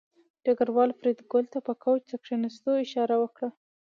ډګروال فریدګل ته په کوچ د کېناستو اشاره وکړه